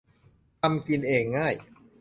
ทำกินเองง่าย